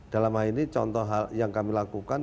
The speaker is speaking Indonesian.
dalam hal ini contoh hal yang kami lakukan